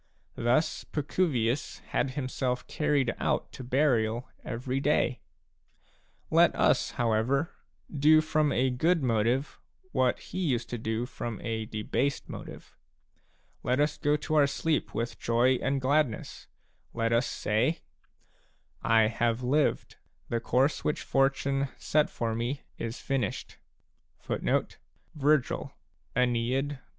" Thus Pacuvius had himself carried out to burial every day. Let us, however, do from a good motive what he used to do from a debased motive ; let us go to oiir sleep with joy and gladness ; let us say : I have lived ; the course which Fortune set for me Is finished."